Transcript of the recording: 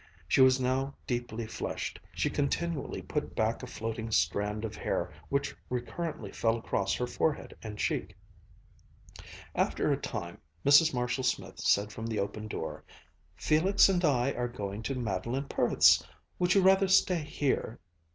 She was now deeply flushed. She continually put back a floating strand of hair, which recurrently fell across her forehead and cheek. After a time, Mrs. Marshall Smith said from the open door: "Felix and I are going to Madeleine Perth's. Would you rather stay here?"